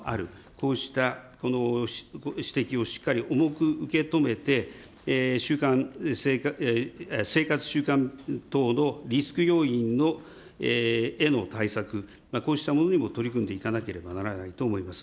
こうした指摘をしっかり重く受け止めて、習慣、生活習慣等のリスク要因の、への対策、こうしたものにも取り組んでいかなければならないと思います。